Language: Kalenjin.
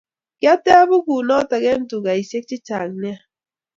Kiatep bukut noto eng tukaisiek chechang nea